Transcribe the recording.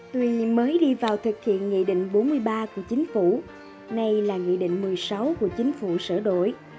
tuy mới đi vào thực hiện nghị định bốn mươi ba của chính phủ nay là nghị định một mươi sáu của chính phủ sửa đổi